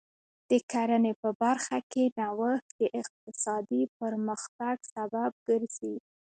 د کرنې په برخه کې نوښت د اقتصادي پرمختګ سبب ګرځي.